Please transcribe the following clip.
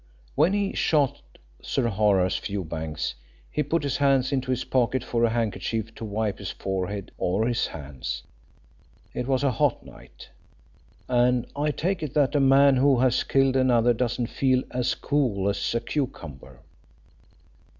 When he shot Sir Horace Fewbanks he put his hand into his pocket for a handkerchief to wipe his forehead or his hands it was a hot night, and I take it that a man who has killed another doesn't feel as cool as a cucumber.